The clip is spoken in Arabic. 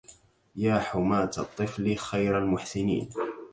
يا حماة الطفل خير المحسنين